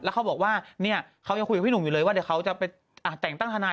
เขาบอกว่าเนี่ยเขายังคุยกับพี่หนุ่มอยู่เลยว่าเดี๋ยวเขาจะไปแต่งตั้งทนาย